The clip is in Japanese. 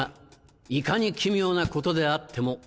いかに奇妙なことであっても。